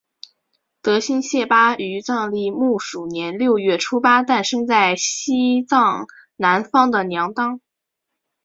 德新谢巴于藏历木鼠年六月初八诞生在西藏南方的娘当。